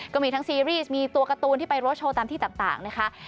ก็มีทั้งซีรีส์มีตัวการ์ตูนที่ไปรถโชว์ตามที่ต่างนะคะ